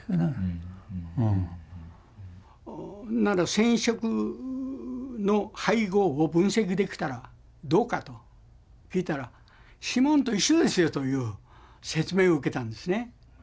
染色の配合を分析できたらどうかと聞いたら指紋と一緒ですよという説明を受けたんですね。